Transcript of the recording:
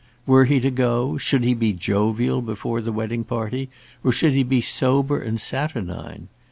Were he to go, should he be jovial before the wedding party or should he be sober and saturnine?